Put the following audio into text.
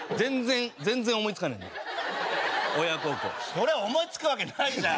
そりゃ思いつくわけないじゃん！